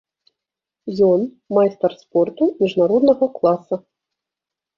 Ён майстар спорту міжнароднага класа.